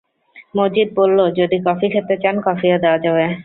মজিদ বলল, যদি কফি খেতে চান, কফিও দেওয়া যাবে।